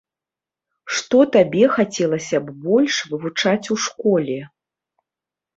Што табе хацелася б больш вывучаць у школе?